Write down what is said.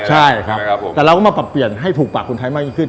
ใช่ครับผมแต่เราก็มาปรับเปลี่ยนให้ถูกปากคนไทยมากยิ่งขึ้น